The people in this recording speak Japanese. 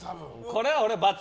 これは俺、×。